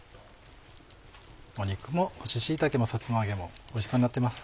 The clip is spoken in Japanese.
肉も干し椎茸もさつま揚げもおいしそうになってます。